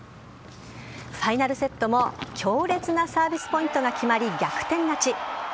ファイナルセットも強烈なサービスポイントが決まり逆転勝ち。